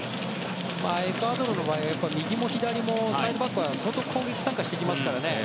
エクアドルの場合は右も左もサイドバックは相当攻撃参加してくるので。